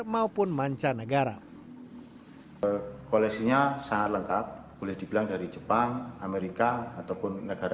maupun mancanegara koleksinya sangat lengkap boleh dibilang dari jepang amerika ataupun negara